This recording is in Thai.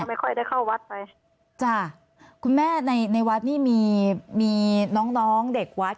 ไม่ค่อยได้เข้าวัดไปจ้ะคุณแม่ในในวัดนี่มีมีน้องน้องเด็กวัด